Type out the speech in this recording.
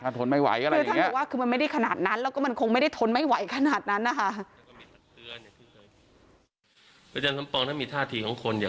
ทนไม่ไหวก็เลยท่านบอกว่าคือมันไม่ได้ขนาดนั้นแล้วก็มันคงไม่ได้ทนไม่ไหวขนาดนั้นนะคะ